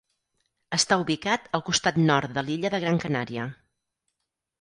Està ubicat al costat nord de l'illa de Gran Canària.